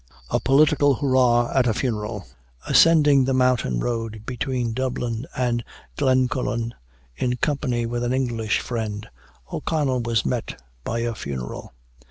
A POLITICAL HURRAH AT A FUNERAL. Ascending the mountain road between Dublin and Glencullen, in company with an English friend, O'Connell was met by a funeral.